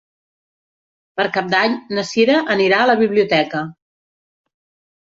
Per Cap d'Any na Sira anirà a la biblioteca.